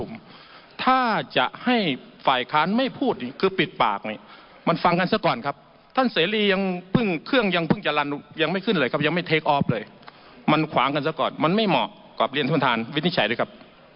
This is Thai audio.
มันไม่เหมาะกับเรียนทุนทานวินิจฉัยด้วยครับ